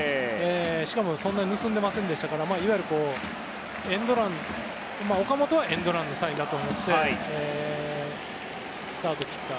しかもそんなに盗んでいませんでしたから岡本はエンドランのサインだと思ってスタートを切った。